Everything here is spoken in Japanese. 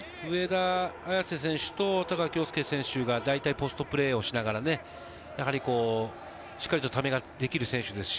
上田綺世選手と田川亨介選手が大体ポストプレーをしながら、しっかりと溜めができる選手ですし。